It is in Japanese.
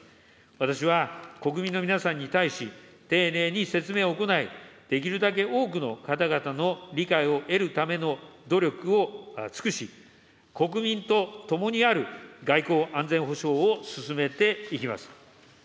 私は国民の皆さんに対し、丁寧に説明を行い、できるだけ多くの方々の理解を得るための努力を尽くし、国民と共にある外交・安全保障を進めていきます。